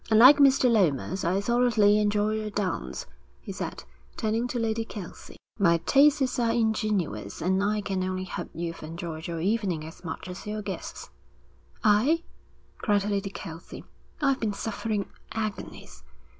'Unlike Mr. Lomas, I thoroughly enjoy a dance,' he said, turning to Lady Kelsey. 'My tastes are ingenuous, and I can only hope you've enjoyed your evening as much as your guests.' 'I?' cried Lady Kelsey. 'I've been suffering agonies.'